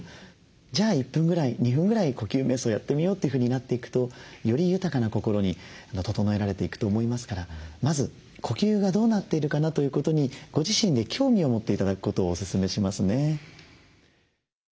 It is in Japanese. じゃあ１分ぐらい２分ぐらい呼吸めい想やってみようというふうになっていくとより豊かな心に整えられていくと思いますからまず呼吸がどうなっているかなということにご自身で興味を持って頂くことをおすすめしますね。